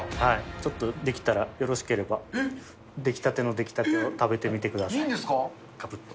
ちょっとできたら、よろしければ、出来たての出来たてを食べいいんですか？